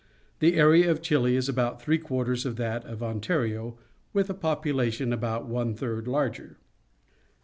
The area of Chile is about three quarters of that of Ontario, with a population about one third larger.